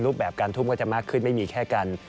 แบบการทุ่มก็จะมากขึ้นไม่มีแค่กัน